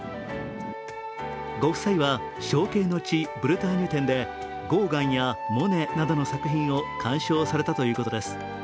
ご夫妻は、「憧憬の地ブルターニュ」展でゴーガンやモネなどの作品を鑑賞されたということです。